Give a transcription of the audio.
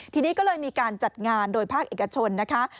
ทีนี้ก็เลยมีการจัดงานโดยภาคเอกชนนะคะ